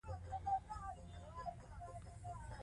د تعلیم له لارې، نجونې په سیمه ایزې پرېکړو کې مؤثره برخه اخلي.